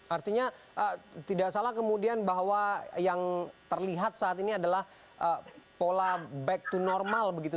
artinya tidak salah kemudian bahwa yang terlihat saat ini adalah pola back to normal begitu